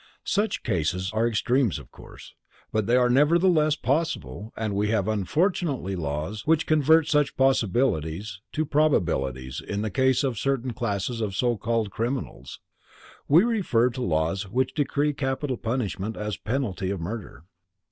Such cases are extremes of course, but they are nevertheless possible and we have unfortunately laws which convert such possibilities to probabilities in the case of a certain class of so called criminals. We refer to laws which decree capital punishment as penalty of murder.